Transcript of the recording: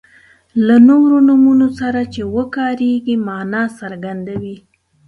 له نورو نومونو سره چې وکاریږي معنا څرګندوي.